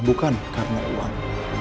bukan karena uang